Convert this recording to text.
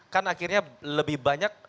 kan akhirnya lebih banyak